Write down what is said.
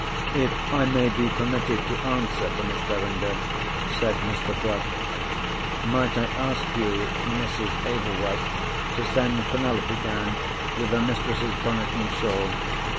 "If I may be permitted to answer for Miss Verinder," said Mr. Bruff, "might I ask you, Mrs. Ablewhite, to send Penelope down with her mistress's bonnet and shawl.